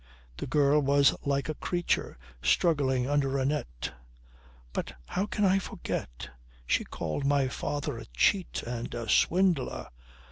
The girl was like a creature struggling under a net. "But how can I forget? she called my father a cheat and a swindler!